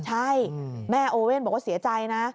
ใช่แม่โอเว่นบอกว่าเสียใจนะ